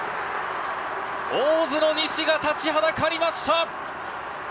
大津の西が立ちはだかりました。